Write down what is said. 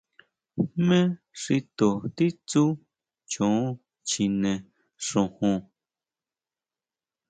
¿Jmé xi to titsú choo chine xojon?